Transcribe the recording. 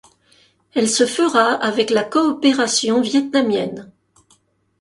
Elle se fera avec la coopération vietnamienne.